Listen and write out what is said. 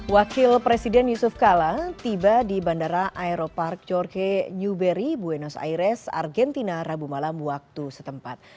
wakil presiden yusuf kala tiba di bandara aeropark jorge newberry buenos aires argentina rabu malam waktu setempat